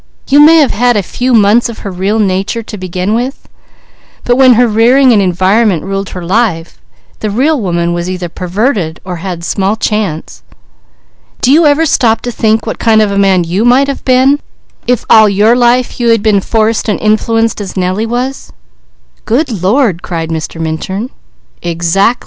"You may have had a few months of her real nature to begin with, but when her rearing and environment ruled her life, the real woman was either perverted or had small chance. Do you ever stop to think what kind of a man you might have been, if all your life you had been forced and influenced as Nellie was?" "Good Lord!" cried Mr. Minturn. "Exactly!"